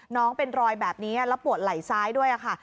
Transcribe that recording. น้องเป็นรอยแบบนี้แล้วปวดไหล่ซ้ายด้วยค่ะ